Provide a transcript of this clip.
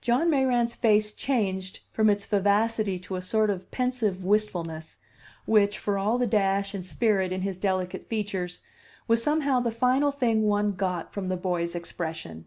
John Mayrant's face changed from its vivacity to a sort of pensive wistfulness, which, for all the dash and spirit in his delicate features, was somehow the final thing one got from the boy's expression.